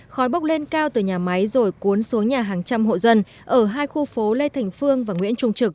khói bốc lên cao từ nhà máy rồi cuốn xuống nhà hàng trăm hộ dân ở hai khu phố lê thành phương và nguyễn trung trực